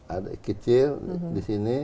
ada kecil di sini